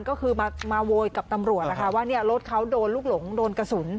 ก็คือมาโวยกับตำรวจนะคะว่ารถเขาโดนลูกหลงโดนกระสุน